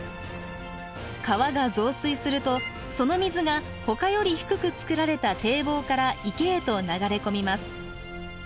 川が増水するとその水がほかより低く造られた堤防から池へと流れ込みます。